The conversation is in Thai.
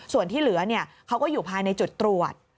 ส่วนที่เหลือเขาก็อยู่ภายในจุดตรวจ